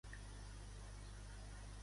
Què mostra, la filmació de Cara DeVito?